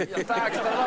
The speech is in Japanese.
来たぞ！